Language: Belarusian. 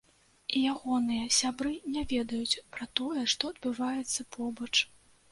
І ягоныя сябры не ведаюць пра тое, што адбываецца побач.